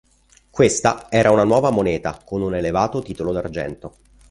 Questa era una nuova moneta con un elevato titolo d'argento.